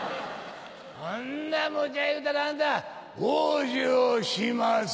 そんなこっちゃ言うたらあんた往生しまっせ。